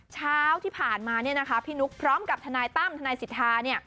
เช้าที่ผ่านมาพี่นุ๊กพร้อมกับทนายตั้มทนายสิทธา